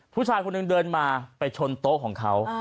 ผู้ชายคนหนึ่งเดินมาไปชนโต๊ะของเขา